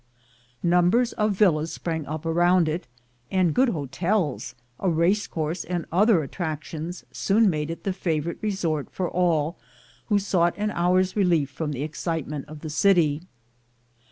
Numbers of villas sprang up around it, — and good hotels, a race course, and other attractions soon made it the favorite resort for all who sought an hour's relief from the excite ment of the city.